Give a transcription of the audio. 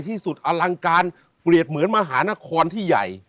ที่สุดอลังการเปรียบเหมือนมหานครที่ใหญ่